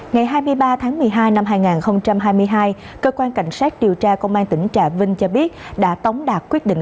ngày hai mươi ba tháng một mươi hai năm hai nghìn hai mươi hai cơ quan cảnh sát điều tra công an tỉnh trà vinh cho biết đã tống đạt quyết định